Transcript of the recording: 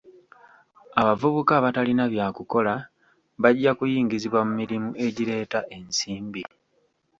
Abavubuka abatalina bya kukola bajja kuyingizibwa mu mirimu egireeta ensimbi.